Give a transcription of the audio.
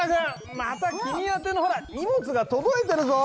また君宛てのほら荷物が届いてるぞおい。